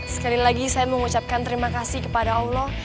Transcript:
sekali lagi saya mengucapkan terima kasih kepada allah